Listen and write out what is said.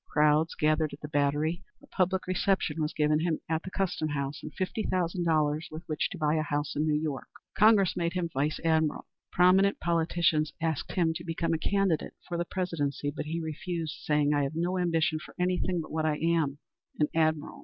Crowds gathered at the Battery, a public reception was given him at the Custom House, and fifty thousand dollars with which to buy a house in New York. Congress made him Vice Admiral. Prominent politicians asked him to become a candidate for the Presidency; but he refused, saying, "I have no ambition for anything but what I am, an admiral.